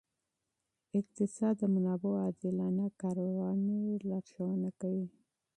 اقتصاد د منابعو عادلانه کارونې لارښوونه کوي.